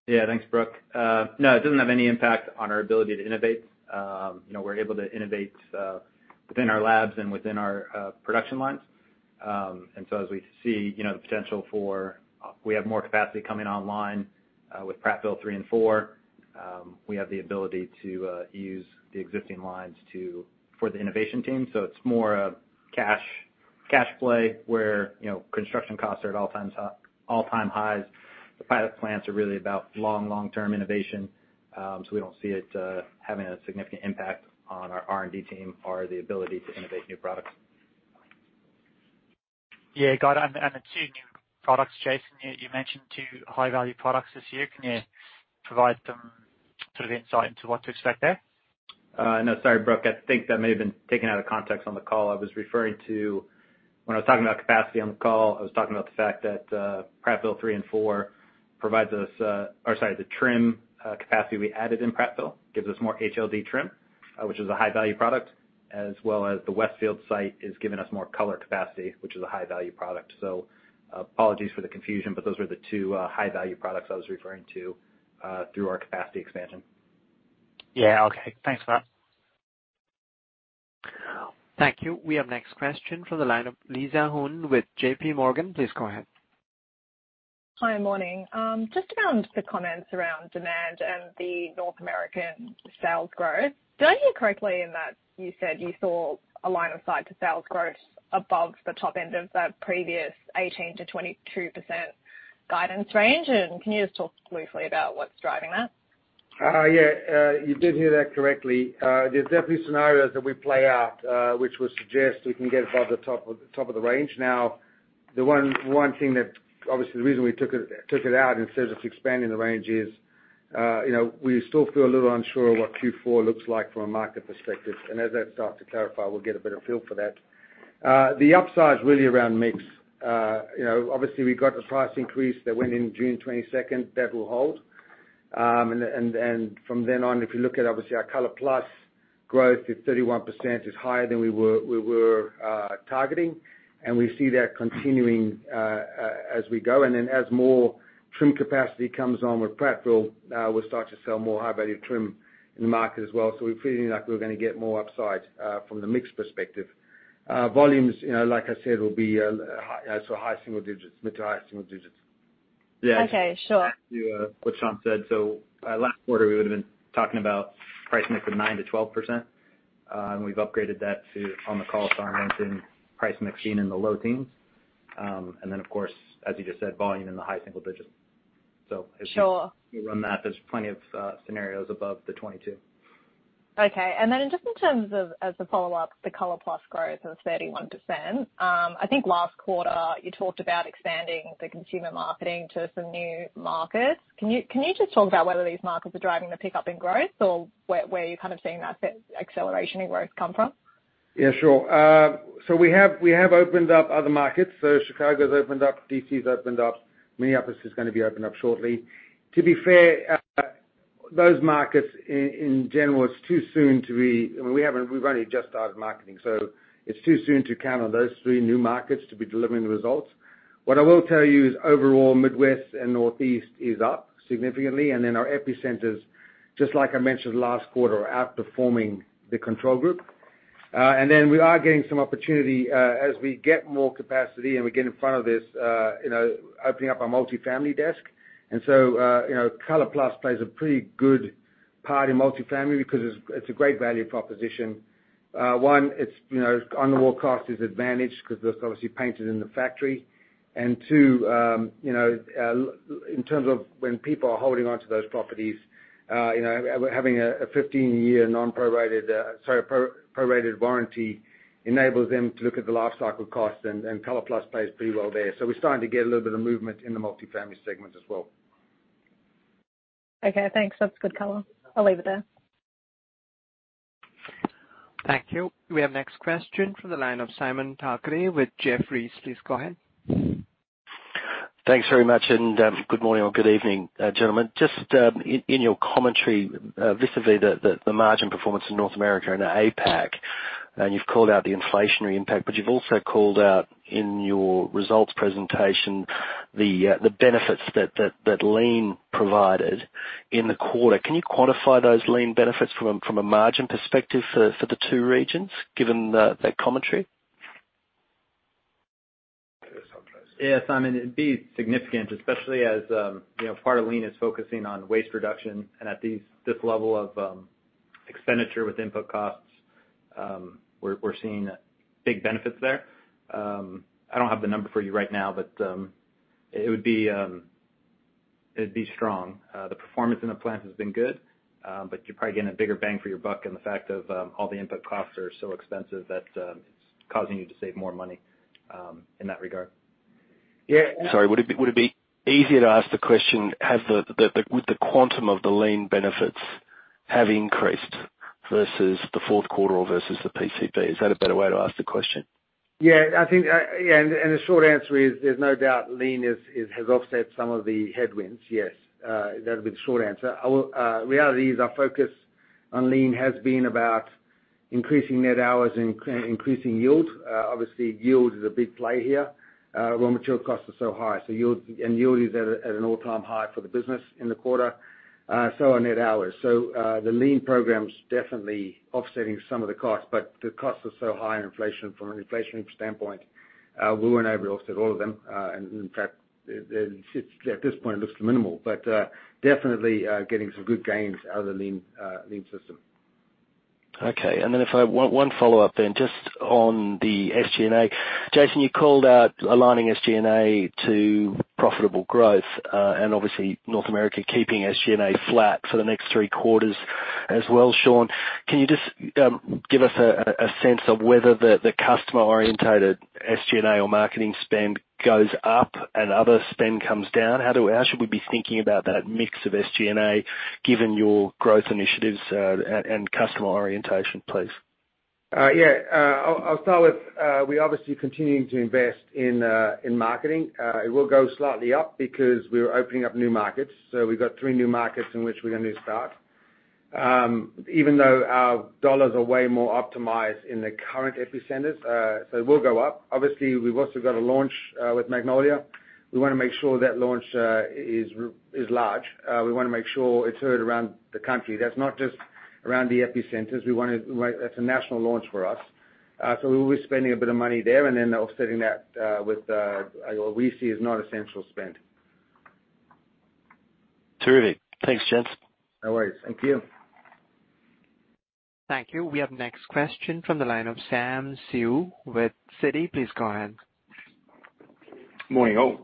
Yeah. Thanks, Brooke. No, it doesn't have any impact on our ability to innovate. You know, we're able to innovate within our labs and within our production lines. We have more capacity coming online with Prattville 3 and 4. We have the ability to use the existing lines for the innovation team, so it's more a cash play where, you know, construction costs are at all-time highs. The pilot plants are really about long-term innovation. We don't see it having a significant impact on our R&D team or the ability to innovate new products. Yeah. Got it. The two new products, Jason, you mentioned two high-value products this year. Can you provide some sort of insight into what to expect there? No. Sorry, Brook, I think that may have been taken out of context on the call. I was referring to when I was talking about capacity on the call, I was talking about the fact that the trim capacity we added in Prattville gives us more HZ10 trim, which is a high-value product, as well as the Westfield site has given us more ColorPlus capacity, which is a high-value product. Apologies for the confusion, but those were the two high-value products I was referring to through our capacity expansion. Yeah. Okay. Thanks for that. Thank you. We have next question from the line of Lisa Huynh with J.P. Morgan. Please go ahead. Hi. Morning. Just around the comments around demand and the North American sales growth. Do I hear correctly in that you said you saw a line of sight to sales growth above the top end of that previous 18%-22% guidance range? Can you just talk briefly about what's driving that? Yeah. You did hear that correctly. There's definitely scenarios that we play out, which would suggest we can get above the top of the range. Now, the one thing that obviously the reason we took it out instead of expanding the range is, you know, we still feel a little unsure what Q4 looks like from a market perspective. As that starts to clarify, we'll get a better feel for that. The upside's really around mix. You know, obviously we got the price increase that went in June 22. That will hold. From then on, if you look at obviously our ColorPlus growth is 31% is higher than we were targeting. We see that continuing as we go. As more trim capacity comes on with Prattville, we'll start to sell more high-value trim in the market as well. We're feeling like we're gonna get more upside from the mix perspective. Volumes, you know, like I said, will be high, so high single digits, mid- to high single digits%. Okay. Sure. To what Sean said, last quarter we would've been talking about price mix of 9%-12%. We've upgraded that to, on the call, sorry, mentioned price mix being in the low teens. Then of course, as you just said, volume in the high single digits. As you- Sure. You run that, there's plenty of scenarios above the 22. Okay. Just in terms of as a follow-up, the ColorPlus growth of 31%, I think last quarter you talked about expanding the consumer marketing to some new markets. Can you just talk about whether these markets are driving the pickup in growth or where you're kind of seeing that acceleration in growth come from? Yeah, sure. We have opened up other markets. Chicago's opened up. D.C.'s opened up. Minneapolis is gonna be opened up shortly. To be fair, those markets in general, it's too soon. I mean, we haven't. We've only just started marketing, so it's too soon to count on those three new markets to be delivering the results. What I will tell you is overall, Midwest and Northeast is up significantly, and then our epicenters, just like I mentioned last quarter, are outperforming the control group. We are getting some opportunity, as we get more capacity, and we get in front of this, opening up our multifamily desk. ColorPlus plays a pretty good part in multifamily because it's a great value proposition. One, it's you know on the wall cost is advantaged 'cause that's obviously painted in the factory. Two, in terms of when people are holding onto those properties, you know having a 15 year pro-rated warranty enables them to look at the life cycle cost, and ColorPlus plays pretty well there. We're starting to get a little bit of movement in the multifamily segment as well. Okay, thanks. That's good color. I'll leave it there. Thank you. We have next question from the line of Simon Thackray with Jefferies. Please go ahead. Thanks very much, and good morning or good evening, gentlemen. Just in your commentary vis-à-vis the margin performance in North America and APAC, and you've called out the inflationary impact, but you've also called out in your results presentation the benefits that lean provided in the quarter. Can you quantify those lean benefits from a margin perspective for the two regions, given that commentary? Yeah. Sometimes. Yeah. Simon, it'd be significant, especially as you know, part of Lean is focusing on waste reduction and this level of expenditure with input costs. We're seeing big benefits there. I don't have the number for you right now, but it'd be strong. The performance in the plants has been good, but you're probably getting a bigger bang for your buck, in the fact that all the input costs are so expensive that it's causing you to save more money in that regard. Yeah. Sorry, would it be easier to ask the question: has the quantum of the lean benefits increased versus the fourth quarter or versus the PCP? Is that a better way to ask the question? The short answer is there's no doubt lean has offset some of the headwinds. Yes. That would be the short answer. Our reality is our focus on lean has been about increasing net hours and increasing yield. Obviously yield is a big play here, raw material costs are so high. So yield is at an all-time high for the business in the quarter, so are net hours. The lean program's definitely offsetting some of the costs, but the costs are so high in inflation from an inflation standpoint, we won't ever offset all of them. In fact, that this point, it looks minimal, but definitely getting some good gains out of the lean system. Okay. If I have one follow up then, just on the SG&A. Jason, you called out aligning SG&A to profitable growth, and obviously North America keeping SG&A flat for the next three quarters as well, Sean. Can you just give us a sense of whether the customer-oriented SG&A or marketing spend goes up and other spend comes down? How should we be thinking about that mix of SG&A, given your growth initiatives, and customer orientation, please? I'll start with we obviously continuing to invest in marketing. It will go slightly up because we're opening up new markets. We've got three new markets in which we're gonna start. Even though our dollars are way more optimized in the current epicenters, it will go up. Obviously, we've also got a launch with Magnolia. We wanna make sure that launch is large. We wanna make sure it's heard around the country. That's not just around the epicenters, we want it that's a national launch for us. We'll be spending a bit of money there and then offsetting that with what we see as not essential spend. Terrific. Thanks, gents. No worries. Thank you. Thank you. We have next question from the line of Sam Seow with Citi. Please go ahead. Morning, all.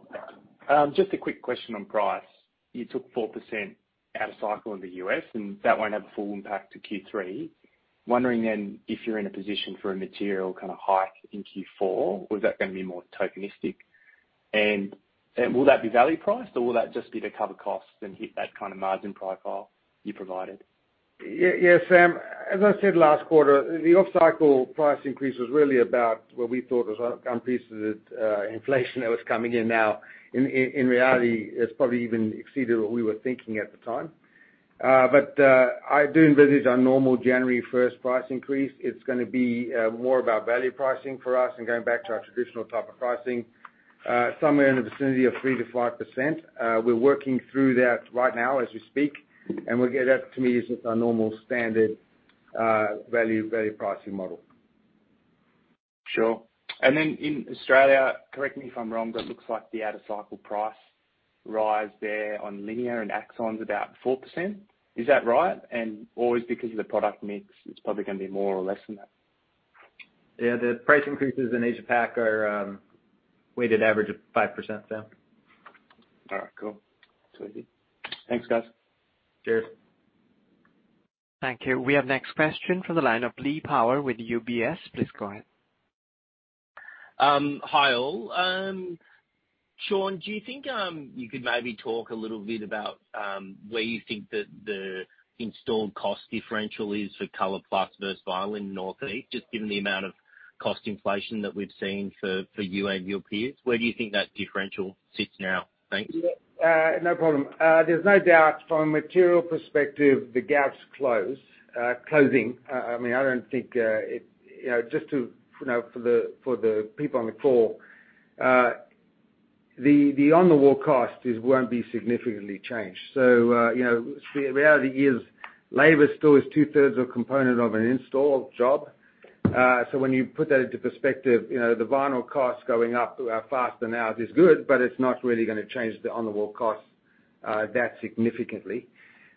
Just a quick question on price. You took 4% out of cycle in the U.S., and that won't have a full impact to Q3. Wondering then if you're in a position for a material kinda hike in Q4, or is that gonna be more tokenistic? Will that be value priced or will that just be to cover costs and hit that kind of margin profile you provided? Yeah. Yeah, Sam, as I said last quarter, the off-cycle price increase was really about what we thought was unpriced inflation that was coming in now. In reality, it's probably even exceeded what we were thinking at the time. But I do envisage our normal January first price increase. It's gonna be more about value pricing for us and going back to our traditional type of pricing somewhere in the vicinity of 3%-5%. We're working through that right now as we speak, and we'll get up to meet with our normal standard value pricing model. Sure. In Australia, correct me if I'm wrong, but it looks like the out-of-cycle price rise there on Linea and Axon is about 4%. Is that right? Always because of the product mix, it's probably gonna be more or less than that. Yeah. The price increases in Asia Pac are weighted average of 5%, Sam. All right. Cool. That's all good. Thanks, guys. Cheers. Thank you. We have next question from the line of Lee Power with UBS. Please go ahead. Hi all. Sean, do you think you could maybe talk a little bit about where you think that the installed cost differential is for ColorPlus versus Vinyl in Northeast, just given the amount of cost inflation that we've seen for you and your peers. Where do you think that differential sits now? Thanks. Yeah. No problem. There's no doubt from a material perspective, the gap's closing. I mean, I don't think it. You know, just to, you know, for the people on the call, the on-the-wall cost won't be significantly changed. You know, the reality is labor still is two-thirds of component of an install job. When you put that into perspective, you know, the vinyl cost going up faster now is good, but it's not really gonna change the on-the-wall cost that significantly.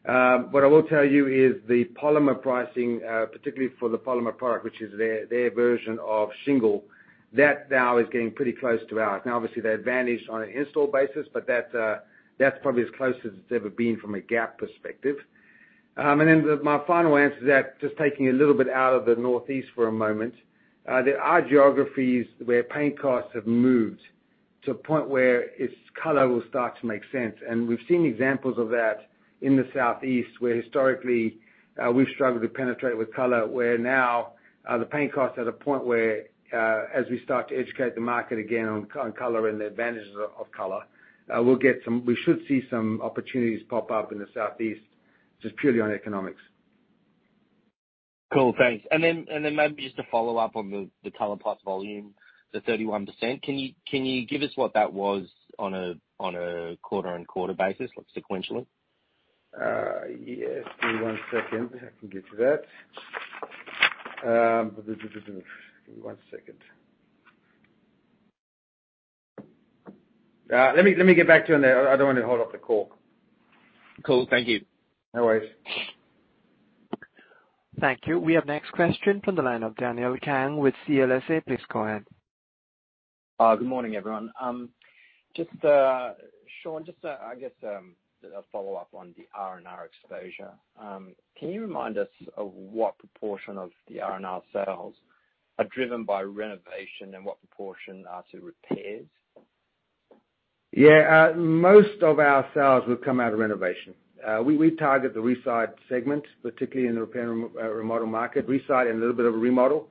What I will tell you is the polymer pricing, particularly for the polymer product, which is their version of shingle, that now is getting pretty close to ours. Now, obviously they're advantaged on an install basis, but that's probably as close as it's ever been from a gap perspective. My final answer to that, just taking a little bit out of the Northeast for a moment, there are geographies where paint costs have moved to a point where it's color will start to make sense. We've seen examples of that in the Southeast where historically, we've struggled to penetrate with color, where now, the paint costs are at a point where, as we start to educate the market again on color and the advantages of color, we should see some opportunities pop up in the Southeast, just purely on economics. Cool, thanks. Maybe just to follow up on the ColorPlus volume, the 31%. Can you give us what that was on a quarter-on-quarter basis, like sequentially? Yes. Give me one second. I can get to that. Give me one second. Let me get back to you on that. I don't want to hold up the call. Cool. Thank you. No worries. Thank you. We have next question from the line of Daniel Kang with CLSA. Please go ahead. Good morning, everyone. Just, Sean, I guess, a follow-up on the R&R exposure. Can you remind us of what proportion of the R&R sales are driven by renovation and what proportion are to repairs? Yeah. Most of our sales will come out of renovation. We target the residential segment, particularly in the repair and remodel market, residential and a little bit of a remodel.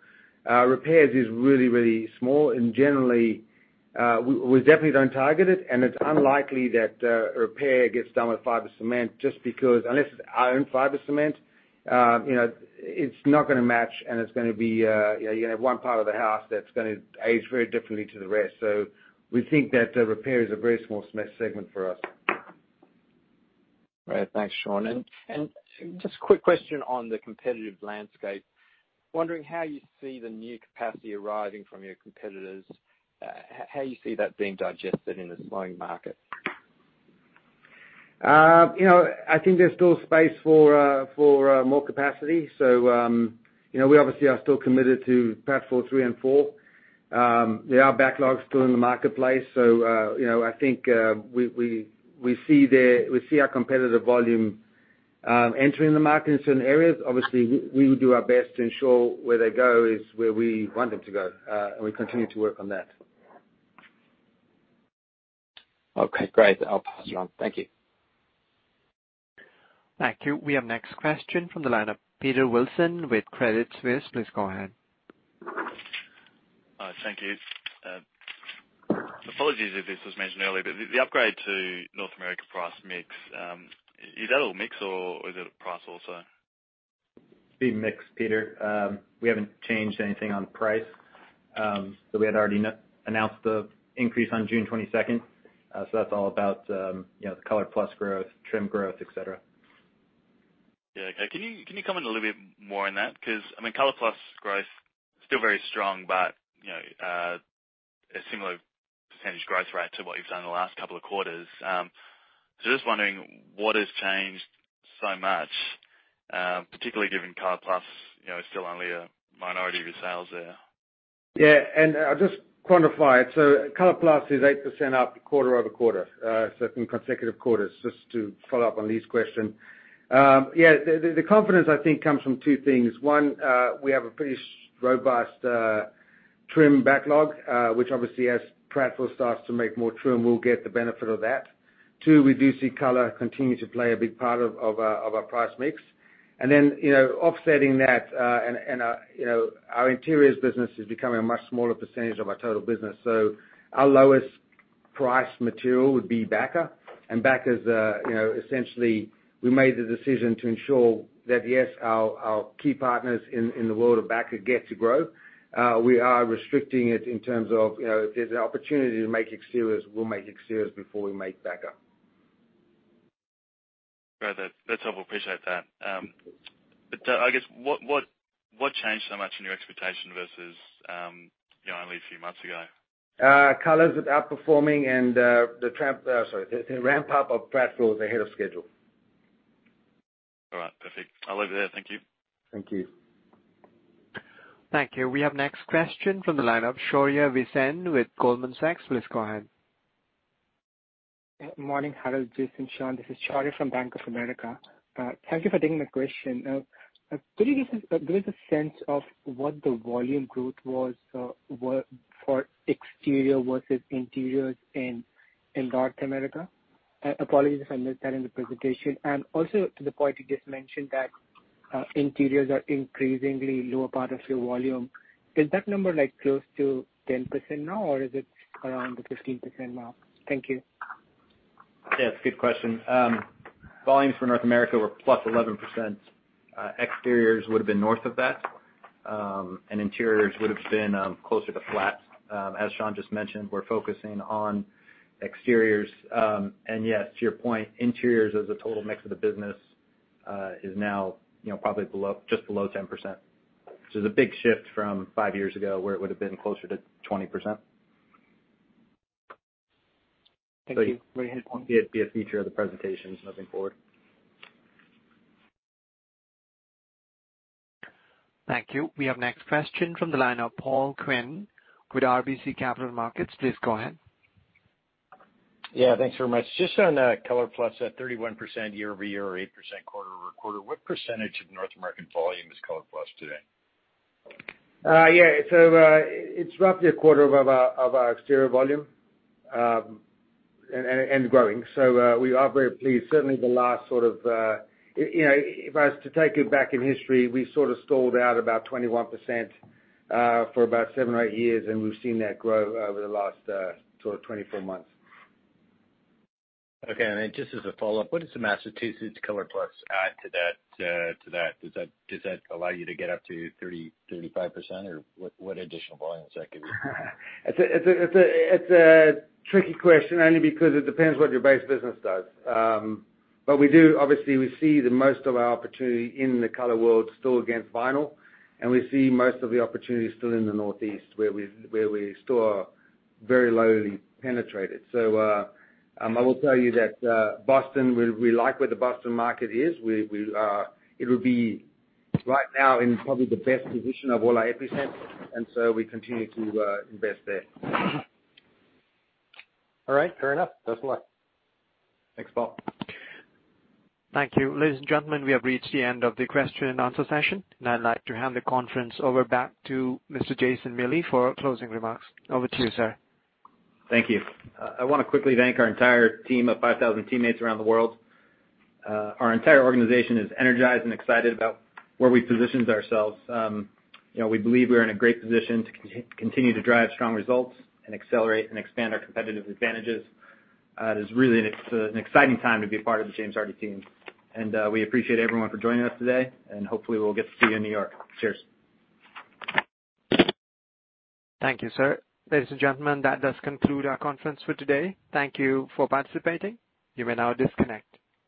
Repairs is really small, and generally, we definitely don't target it, and it's unlikely that repair gets done with fiber cement just because unless it's our own fiber cement, you know, it's not gonna match, and it's gonna be. You know, you're gonna have one part of the house that's gonna age very differently to the rest. We think that the repair is a very small segment for us. Right. Thanks, Sean. Just quick question on the competitive landscape. Wondering how you see the new capacity arriving from your competitors. How you see that being digested in a slowing market? You know, I think there's still space for more capacity. You know, we obviously are still committed to platform 3 and 4. There are backlogs still in the marketplace, so you know, I think we see our competitive volume entering the market in certain areas. Obviously, we will do our best to ensure where they go is where we want them to go, and we continue to work on that. Okay, great. I'll pass it on. Thank you. Thank you. We have next question from the line of Peter Wilson with Credit Suisse. Please go ahead. Thank you. Apologies if this was mentioned earlier, but the upgrade to North America price mix, is that all mix or is it a price also? It's been mixed, Peter. We haven't changed anything on price. We had already announced the increase on June 22nd. That's all about, you know, the ColorPlus growth, trim growth, et cetera. Yeah, okay. Can you comment a little bit more on that? 'Cause, I mean, ColorPlus growth still very strong, but, you know, a similar percentage growth rate to what you've done in the last couple of quarters. Just wondering what has changed so much, particularly given ColorPlus, you know, is still only a minority of your sales there. Yeah, I'll just quantify it. ColorPlus is 8% up quarter-over-quarter, in consecutive quarters, just to follow up on Lee's question. Yeah, the confidence I think comes from two things. One, we have a pretty robust trim backlog, which obviously as platform starts to make more trim, we'll get the benefit of that. Two, we do see color continue to play a big part of our price mix. You know, offsetting that, our interiors business is becoming a much smaller percentage of our total business. Our lowest price material would be backer. Backer's, you know, essentially we made the decision to ensure that, yes, our key partners in the world of backer get to grow. We are restricting it in terms of, you know, if there's an opportunity to make exteriors, we'll make exteriors before we make backer. Got it. That's helpful. Appreciate that. I guess, what changed so much in your expectation versus, you know, only a few months ago? Colors are outperforming and the ramp up of platforms ahead of schedule. All right. Perfect. I'll leave it there. Thank you. Thank you. Thank you. We have next question from the line of Shaurya Visen with Goldman Sachs. Please go ahead. Morning, Harold, Jason, Sean. This is Shaurya from Bank of America. Thank you for taking my question. Could you give us a sense of what the volume growth was for exterior versus interiors in North America? Apologies if I missed that in the presentation. Also to the point you just mentioned that interiors are increasingly lower part of your volume. Is that number like close to 10% now, or is it around the 15% mark? Thank you. Yeah, it's a good question. Volumes for North America were +11%. Exteriors would have been north of that, and interiors would have been closer to flat. As Sean just mentioned, we're focusing on exteriors. Yes, to your point, interiors as a total mix of the business is now, you know, probably below, just below 10%. It's a big shift from five years ago where it would have been closer to 20%. Thank you. It won't be a feature of the presentation moving forward. Thank you. We have next question from the line of Paul Quinn with RBC Capital Markets. Please go ahead. Yeah, thanks very much. Just on ColorPlus at 31% year-over-year or 8% quarter-over-quarter, what percentage of North American volume is ColorPlus today? Yeah. It's roughly a quarter of our exterior volume, and growing. We are very pleased. Certainly the last sort of... You know, if I was to take you back in history, we sort of stalled out about 21%, for about seven or eight years, and we've seen that grow over the last sort of 24 months. Okay. Just as a follow-up, what does the Massachusetts ColorPlus add to that? Does that allow you to get up to 30-35% or what? What additional volume does that give you? It's a tricky question only because it depends what your base business does. Obviously we see that most of our opportunity in the color world still against vinyl, and we see most of the opportunities still in the Northeast where we still are very lowly penetrated. I will tell you that Boston, it'll be right now in probably the best position of all our epicenters, and so we continue to invest there. All right. Fair enough. Best of luck. Thanks, Paul. Thank you. Ladies and gentlemen, we have reached the end of the question and answer session, and I'd like to hand the conference over back to Mr. Jason Miele for closing remarks. Over to you, sir. Thank you. I wanna quickly thank our entire team of 5,000 teammates around the world. Our entire organization is energized and excited about where we've positioned ourselves. You know, we believe we're in a great position to continue to drive strong results and accelerate and expand our competitive advantages. It is really an exciting time to be part of the James Hardie team. We appreciate everyone for joining us today, and hopefully we'll get to see you in New York. Cheers. Thank you, sir. Ladies and gentlemen, that does conclude our conference for today. Thank you for participating. You may now disconnect.